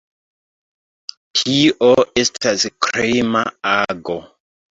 Tio estas krima ago.